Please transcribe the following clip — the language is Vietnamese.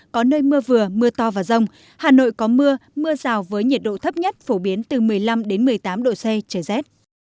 có nơi mưa vừa mưa to và rông hà nội có mưa mưa rào với nhiệt độ thấp nhất phổ biến từ một mươi năm một mươi tám độ c trời rét